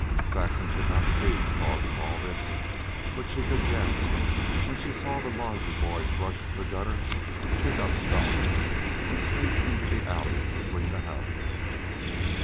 Saxon could not see the cause of all this, but she could guess when she saw the larger boys rush to the gutter, pick up stones, and sneak into the alleys between the houses.